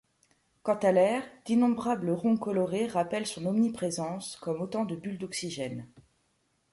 Quant à l'air, d'innombrables ronds colorés rappellent son omniprésence comme autant de bulles d'oxygène.